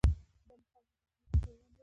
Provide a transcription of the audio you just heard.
دا مقاومت د هغه نظام پر وړاندې دی.